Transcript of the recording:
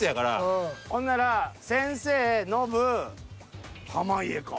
ほんなら先生ノブ濱家か。